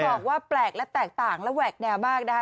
บอกว่าแปลกและแตกต่างและแหวกแนวมากนะคะ